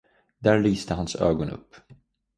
Där lyste hans ögon upp.